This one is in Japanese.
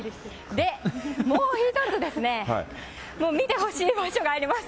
で、もう一つですね、もう見てほしい場所があります。